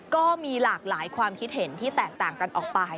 ก็มีหลากหลายความคิดเห็นที่แตกต่างกันออกไป